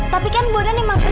tapi kan bondan emang benar